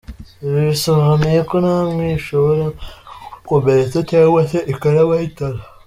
Ibi bisobanuye ko namwe ishobora kubakomeretsa cyangwa se ikanabahitana."